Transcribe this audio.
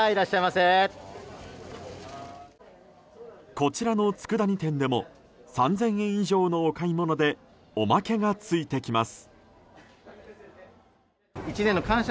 こちらの佃煮店でも３０００円以上のお買い物でおまけがついてきます。